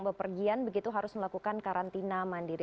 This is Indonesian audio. bepergian begitu harus melakukan karantina mandiri